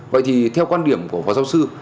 vậy thì theo quan điểm của phó giáo sư